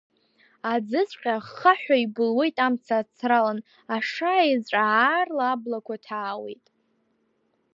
Аӡыҵәҟьа аххаҳәа ибылуеит амца ацралан, ашаеҵәа аарла аблақәа ҭаауеит.